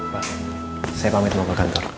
pak saya pamit mau ke kantor